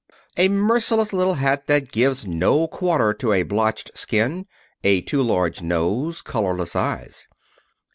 A merciless little hat, that gives no quarter to a blotched skin, a too large nose, colorless eyes.